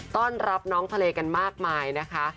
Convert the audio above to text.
ต้อนรับน้องทะเลกันมากมายนะคะ